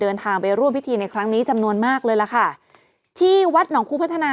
เดินทางไปร่วมพิธีในครั้งนี้จำนวนมากเลยล่ะค่ะที่วัดหนองคูพัฒนา